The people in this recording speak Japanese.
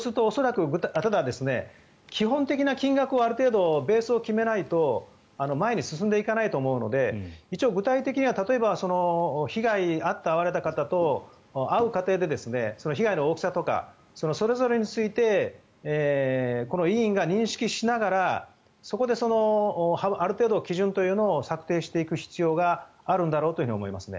ただ、基本的な金額はある程度ベースを決めないと前に進んでいかないと思うので一応、具体的には例えば被害に遭った、遭われた方と会う過程で、被害の大きさとかそれぞれについて委員が認識しながらそこである程度、基準というのを策定していく必要があるんだろうと思います。